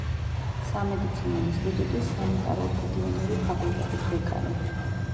სამედიცინო ინსტიტუტის სანიტარულ–ჰიგიენური ფაკულტეტის დეკანი.